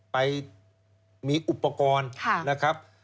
ไปมีอุปกรณ์นะครับ